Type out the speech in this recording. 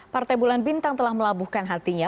partai bulan bintang telah melabuhkan hatinya